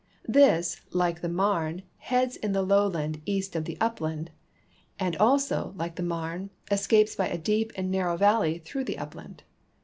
This, like the Marne, heads in the lowland east of the upland, and also, like the Marne, escapes by a deep and narrow valley through the upland.